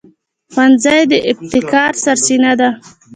ښوونځی د ابتکار سرچینه ده